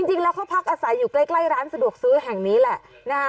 จริงแล้วเขาพักอาศัยอยู่ใกล้ร้านสะดวกซื้อแห่งนี้แหละนะฮะ